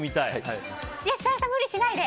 設楽さん、無理しないで！